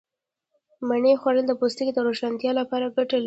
مڼې خوړل د پوستکي د روښانتیا لپاره گټه لري.